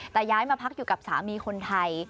แต่ย้ายมาพักอยู่กับสามีคนไทย